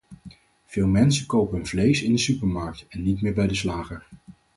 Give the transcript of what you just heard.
Veel mensen kopen hun vlees in de supermarkt, en niet meer bij de slager.